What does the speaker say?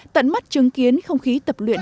tận mắt chứng kiến không khí tập luyện